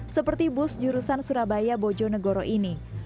seperti bus jurusan surabaya bojo negoro ini